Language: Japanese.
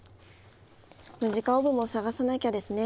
ムジカオーブもさがさなきゃですね。